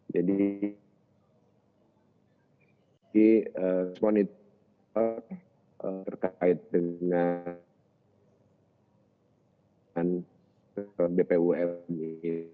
jadi respon itu terkait dengan bpum ini